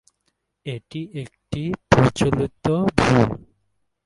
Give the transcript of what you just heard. এটি একটি প্রচলিত ভুল।